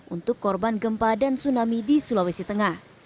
untuk korban gempa dan tsunami di sulawesi tengah